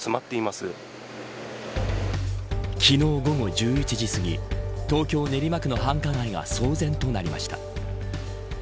今でも昨日午後１１時すぎ東京、練馬区の繁華街が騒然となりました。